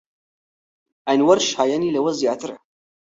ئەنوەر شایەنی لەوە زیاترە.